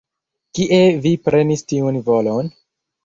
Kie vi prenis tiun volon?